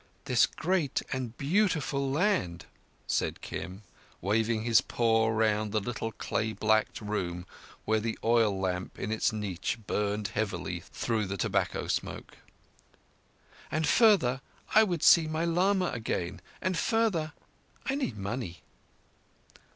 "This great and beautiful land," said Kim, waving his paw round the little clay walled room where the oil lamp in its niche burned heavily through the tobacco smoke. "And, further, I would see my lama again. And, further, I need money."